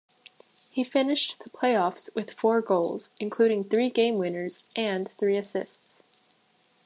He finished the playoffs with four goals, including three game winners, and three assists.